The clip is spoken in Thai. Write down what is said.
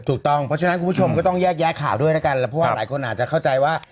ถูกต้องเพราะฉะนั้นคุณผู้ชมก็ต้องแยกแยะข่าวด้วยแล้วกันแล้วเพราะว่าหลายคนอาจจะเข้าใจว่า